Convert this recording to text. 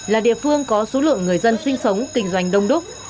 là địa phương có số lượng người dân sinh sống kinh doanh đông đúc